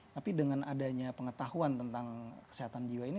tapi dengan adanya pengetahuan tentang kesehatan jiwa ini